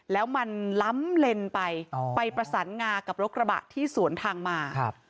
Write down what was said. แล้วมันล้ำเลนไปไปประสานงากับรถกระบะที่สวนทางมา